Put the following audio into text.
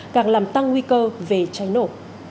càng làm tăng nguy cơ về cháy nổ